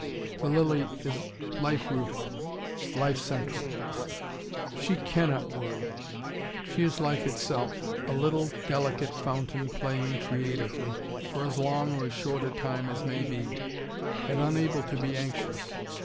The lily is life rooted, life central. She cannot worry. She is life itself, a little, delicate fountain playing creatively, for as long or as short a time as may be, and unable to be anxious.